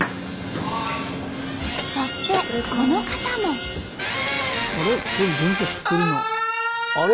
そしてこの方も。ああ！